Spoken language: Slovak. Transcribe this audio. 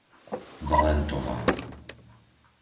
Valentová